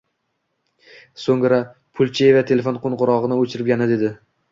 So`ngra Pulchieva telefon qo`ng`irog`ini o`chirib yana dedi